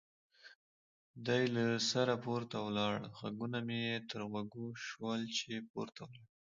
دی له سره پورته ولاړ، غږونه مې یې تر غوږو شول چې پورته ولاړل.